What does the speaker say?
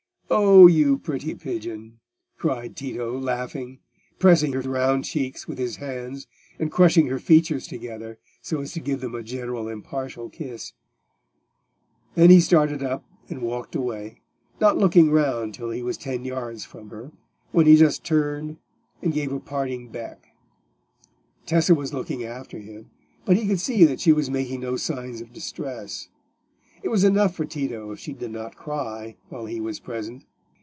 "Oh, you pretty pigeon!" cried Tito, laughing, pressing her round cheeks with his hands and crushing her features together so as to give them a general impartial kiss. Then he started up and walked away, not looking round till he was ten yards from her, when he just turned and gave a parting beck. Tessa was looking after him, but he could see that she was making no signs of distress. It was enough for Tito if she did not cry while he was present.